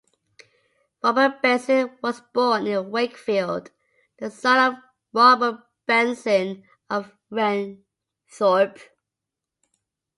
Robert Benson was born in Wakefield, the son of Robert Benson of Wrenthorpe.